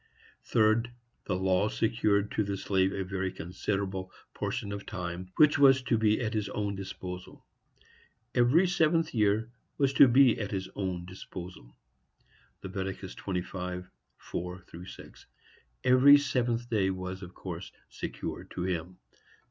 Third, the law secured to the slave a very considerable portion of time, which was to be at his own disposal. Every seventh year was to be at his own disposal.—Lev. 25:4–6. Every seventh day was, of course, secured to him.